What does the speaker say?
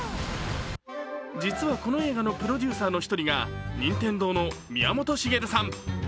実は、この映画のプロデューサーの一人が任天堂の宮本茂さん。